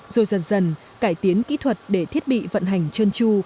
rồi dần dần cải tiến kỹ thuật để thiết bị vận hành chân chu